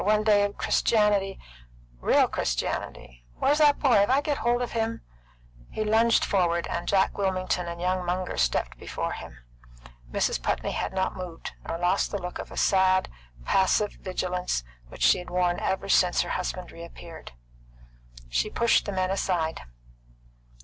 One day of Christianity real Christianity Where's that boy? If I get hold of him " He lunged forward, and Jack Wilmington and young Munger stepped before him. Mrs. Putney had not moved, nor lost the look of sad, passive vigilance which she had worn since her husband reappeared. She pushed the men aside.